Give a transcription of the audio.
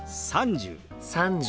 「３０」。